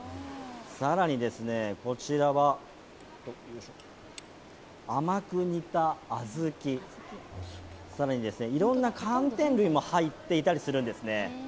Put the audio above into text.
更に、こちらは甘く煮た小豆、更に、いろんな寒天類も入っていたりするんですね。